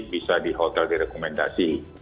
bisa di hotel direkomendasi